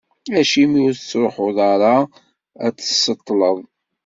Acimi ur tettruḥuḍ ara ad d-tṣeṭṭleḍ?